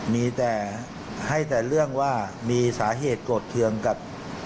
มีแต่ให้แต่เรื่องว่ามีสาเหตุโกรธเครื่องกับ